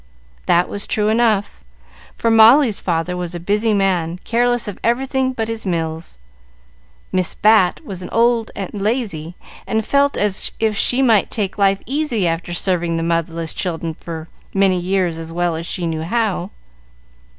That was true enough; for Molly's father was a busy man, careless of everything but his mills, Miss Bat was old and lazy, and felt as if she might take life easy after serving the motherless children for many years as well as she knew how.